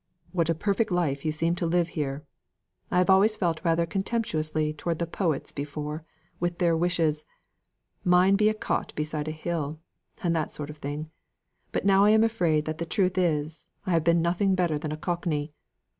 "What a perfect life you seem to live here! I have always felt rather contemptuously towards the poets before, with their wishes, 'Mine be a cot beside a hill,' and that sort of thing; but now I am afraid that the truth is, I have been nothing better than a Cockney.